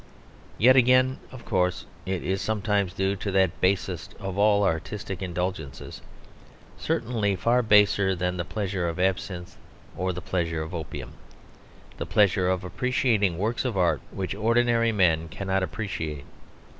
Yet again, of course, it is sometimes due to that basest of all artistic indulgences (certainly far baser than the pleasure of absinthe or the pleasure of opium), the pleasure of appreciating works of art which ordinary men cannot appreciate.